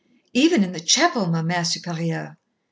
"Even in the chapel, Ma Mère Supérieure."